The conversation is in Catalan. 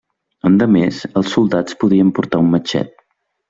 Endemés els soldats podien portar un matxet.